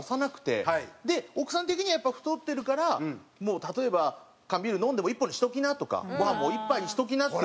奥さん的にはやっぱ太ってるからもう例えば「缶ビール飲んでも１本にしときな」とか「ご飯も１杯にしときな」っていう。